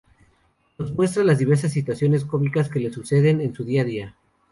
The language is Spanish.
Nos muestra las diversas situaciones cómicas que les suceden en su día a día.